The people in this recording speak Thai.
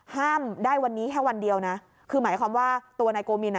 ได้วันนี้แค่วันเดียวนะคือหมายความว่าตัวนายโกมินอ่ะ